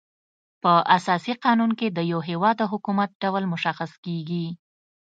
په اساسي قانون کي د یو هيواد د حکومت ډول مشخص کيږي.